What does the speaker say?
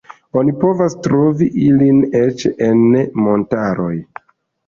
Oni povas trovi ilin eĉ en montaroj.